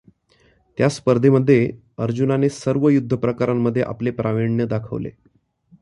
त्या स्पर्धेमध्ये अर्जुनाने सर्व युद्धप्रकारांमध्ये आपले प्रावीण्य दाखविले.